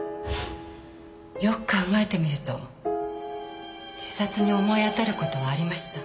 よく考えてみると自殺に思い当たる事はありました。